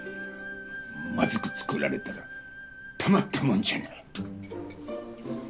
まずく作られたらたまったもんじゃない。